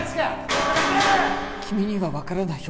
君には分からないよ